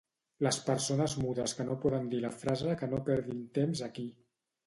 Les persones mudes que no poden dir la frase que no perdin temps aquí